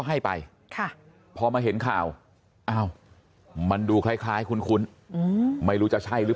ให้ไปพอมาเห็นข่าวอ้าวมันดูคล้ายคุ้นไม่รู้จะใช่หรือ